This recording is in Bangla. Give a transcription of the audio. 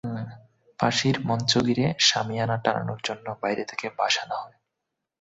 ফাঁসির মঞ্চ ঘিরে শামিয়ানা টানানোর জন্য বাইরে থেকে বাঁশ আনা হয়।